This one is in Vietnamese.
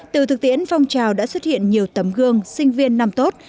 từ thực tiễn phong trào đã xuất hiện nhiều tấm gương sinh viên năm tốt